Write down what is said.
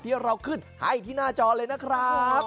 ที่เราขึ้นให้ที่หน้าจอเลยนะครับ